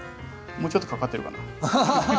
もうちょっとかかってるかな？